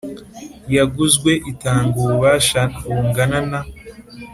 yaguzwe itanga ububasha bungana na